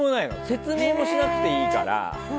説明もしなくていいから。